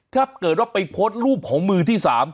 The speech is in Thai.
ถ้าเกิดว่าไปโพสต์รูปของมือที่๓